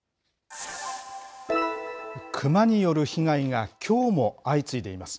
クマによる被害がきょうも相次いでいます。